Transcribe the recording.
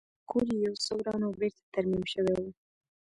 کور یې یو څه وران او بېرته ترمیم شوی و